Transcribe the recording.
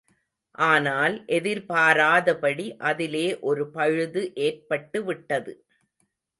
ஆனால், எதிர்பாராதபடி அதிலே ஒரு பழுது ஏற்பட்டுவிட்டது.